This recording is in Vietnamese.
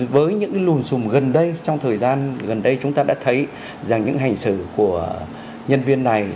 với những lùn xùm gần đây trong thời gian gần đây chúng ta đã thấy rằng những hành xử của nhân viên này